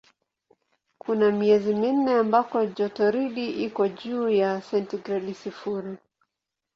Kuna miezi minne ambako jotoridi iko juu ya sentigredi sifuri.